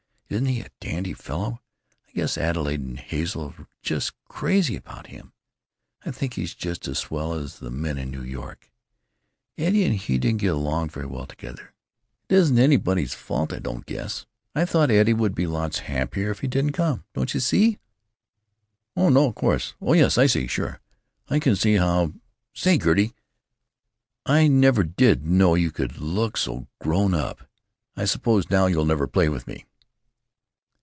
Isn't he a dandy fellow? I guess Adelaide and Hazel 're just crazy about him. I think he's just as swell as the men in New York). Eddie and he didn't get along very well together. It isn't anybody's fault, I don't guess. I thought Eddie would be lots happier if he didn't come, don't you see?" "Oh no, of course; oh yes, I see. Sure. I can see how——Say, Gertie, I never did know you could look so grown up. I suppose now you'll never play with me."